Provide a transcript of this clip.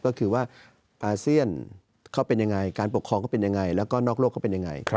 ก็คือว่าอาเซียนเขาเป็นยังไงการปกครองเขาเป็นยังไงแล้วก็นอกโลกเขาเป็นยังไง